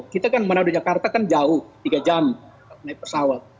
kita kan menaruh jakarta kan jauh tiga jam naik pesawat